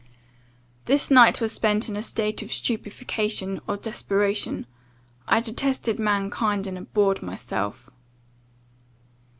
"This night was spent in a state of stupefaction, or desperation. I detested mankind, and abhorred myself.